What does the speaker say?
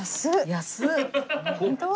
安っ！